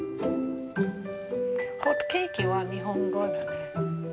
ホットケーキは日本語だね。